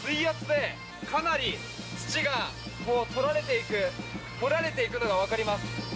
かなり水圧で土が取られていく掘られていくのがわかります。